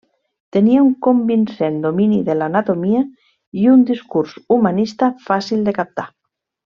Tenia un convincent domini de l'anatomia, i un discurs humanista fàcil de captar.